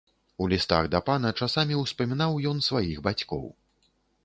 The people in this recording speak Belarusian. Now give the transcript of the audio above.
У лістах да пана часамі ўспамінаў ён сваіх бацькоў.